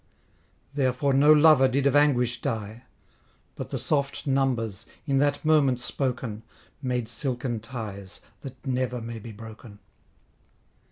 Therefore no lover did of anguish die: But the soft numbers, in that moment spoken, Made silken ties, that never may be broken.